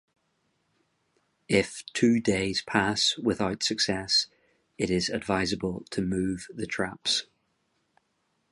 If two days pass without success, it is advisable to move the traps.